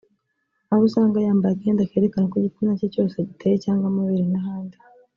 aho usanga yambaye akenda kerekana uko igitsina cye cyose giteye cyangwa amabere n’ahandi